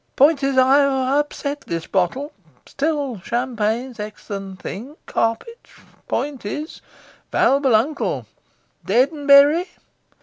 Point is I've upset this bottle, still champagne's exc'lent thing carpet point is, is valuable uncle dead an' bury?